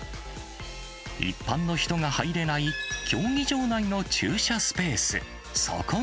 一般の人が入れない、競技場内の駐車スペース。